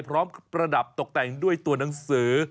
ประดับตกแต่งด้วยตัวหนังสือ